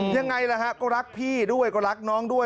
ยังไงล่ะฮะก็รักพี่ด้วยก็รักน้องด้วย